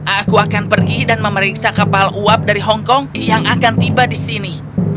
aku akan pergi dan memeriksa kapal uap dari hongkong yang akan tiba di sini